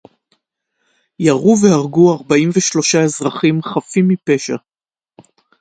ירו והרגו ארבעים ושלושה אזרחים חפים מפשע